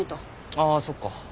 ああそっか。